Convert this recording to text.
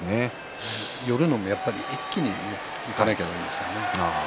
寄るのもやっぱり一気にいかなきゃだめですね。